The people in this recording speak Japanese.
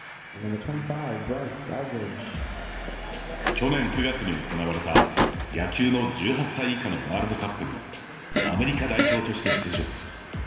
去年９月に行われた野球の１８歳以下のワールドカップにアメリカ代表として出場。